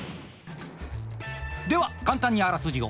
では簡単にあらすじを。